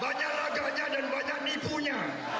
banyak laganya dan banyak nipunya